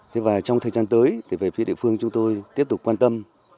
thế và trong thời gian tới thì về phía địa phương chúng tôi tiếp tục quan tâm